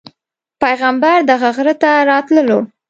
پیغمبر دغه غره ته راتللو.